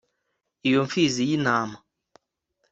iyo n'impfizi y'intama